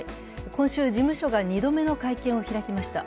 今週、事務所が２度目の会見を開きました。